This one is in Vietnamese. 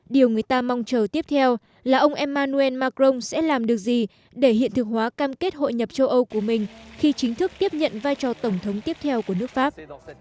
điều người ta mong chờ tiếp theo là ông emmanuel macron sẽ làm được gì để hiện thực hóa cam kết hội nhập châu âu của mình khi chính thức tiếp nhận vai trò tổng thống tiếp theo của nước pháp